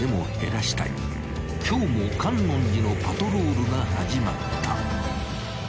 ［今日も觀音寺のパトロールが始まった］